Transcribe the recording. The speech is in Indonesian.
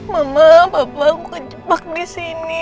mama bapak aku kejebak di sini